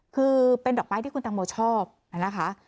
คือเป็นดอกไม้ที่คุณตังโมชอบนะคะ